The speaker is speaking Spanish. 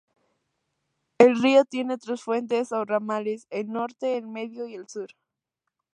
El río tiene tres fuentes o ramales, el Norte, el Medio y el Sur.